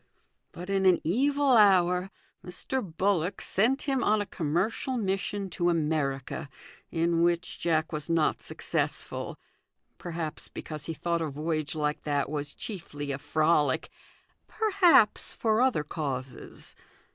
But in an evil hour Mr. Bullock sent him on a commercial mission to America, in which Jack was not successful perhaps because he thought a voyage like that was chiefly a frolic ; perhaps for other causes.